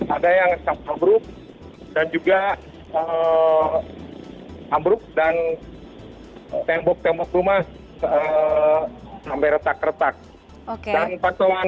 ada yang krap hr dan juga plr dentuk rumah sampai retak retak dan pantauan